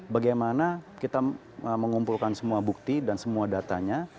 bagaimana kita mengumpulkan semua bukti dan semua datanya